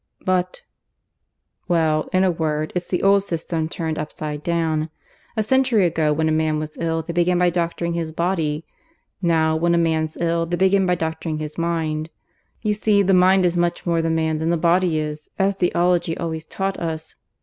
"But ..." "Well, in a word, it's the old system turned upside down. A century ago when a man was ill they began by doctoring his body. Now, when a man's ill, they begin by doctoring his mind. You see the mind is much more the man than the body is, as Theology always taught us.